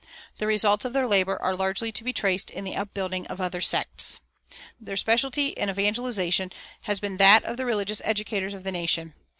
The results of their labor are largely to be traced in the upbuilding of other sects. Their specialty in evangelization has been that of the religious educators of the nation.